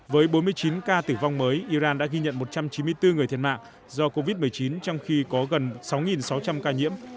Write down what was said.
với bốn mươi chín ca tử vong mới iran đã ghi nhận một trăm chín mươi bốn người thiệt mạng do covid một mươi chín trong khi có gần sáu sáu trăm linh ca nhiễm